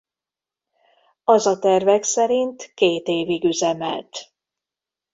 A a tervek szerint két évig üzemelt.